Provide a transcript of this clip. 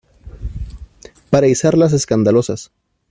para izar las escandalosas.